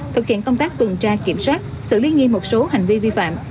thực hiện công tác tuần tra kiểm soát xử lý nghiêm một số hành vi vi phạm